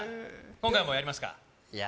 今回もやりますか？